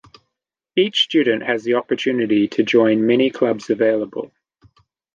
Each student has the opportunity to join the many clubs available.